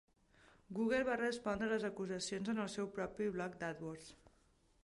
Google va respondre les acusacions en el seu propi blog d'AdWords.